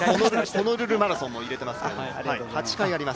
ホノルルマラソンも入れてますけど。